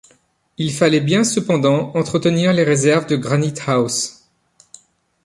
Il fallait bien, cependant, entretenir les réserves de Granite-house